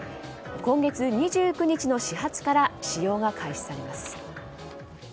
今月２９日の始発から使用が開始されます。